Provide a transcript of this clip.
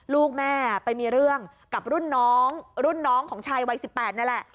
ลูกแม่ไปมีเรื่องกับรุ่นน้องรุ่นน้องของชายวัย๑๘นั่นแหละ